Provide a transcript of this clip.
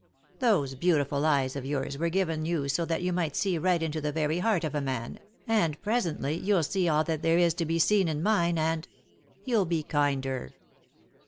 Those beautiful eyes of yours were given you so that you might see right into the very heart of a man, and presently you'll see all that there is to be seen in mine and — you'll be kinder.